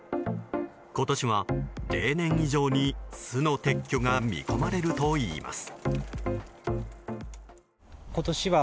今年は例年以上に巣の撤去が見込まれるといいます。